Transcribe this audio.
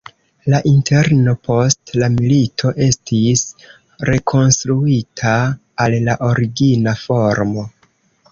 La interno post la milito estis rekonstruita al la origina formo.